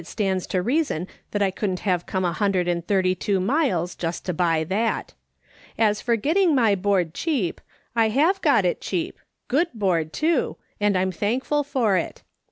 4» stands to reason that I wouldn't have come a hundred and thirty two miles just to buy that. As forgetting my board cheap, I have got it cheap — good board, too — and I'm thankful for it.